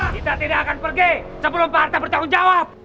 kita tidak akan pergi sebelum pak harta bertanggung jawab